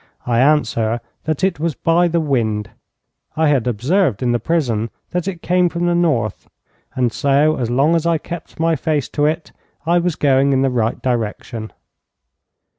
I answer that it was by the wind. I had observed in the prison that it came from the north, and so, as long as I kept my face to it, I was going in the right direction.